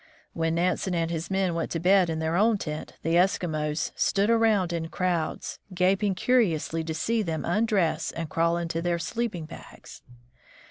When Nansen and his men went to bed in their own tent, the Eskimos stood around in crowds, gap ing curiously to see them undress and crawl into their sleeping bags.